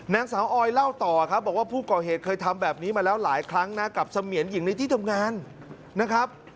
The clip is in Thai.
นางสาวออยเล่าต่อครับบอกว่าผู้ก่อเหตุเคยทำแบบนี้มาแล้วหลายครั้งนะกับเสมียนหญิงในที่ทำงานนะครับ